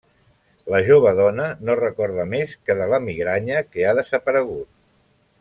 La jove dona no recorda més que de la migranya que ha desaparegut.